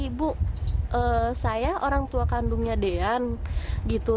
ibu saya orang tua kandungnya dean gitu